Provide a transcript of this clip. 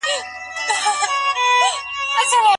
ولي محنتي ځوان د هوښیار انسان په پرتله موخي ترلاسه کوي؟